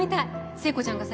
聖子ちゃんがさ